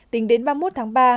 tính đến ba mươi một tháng ba